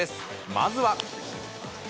まずは。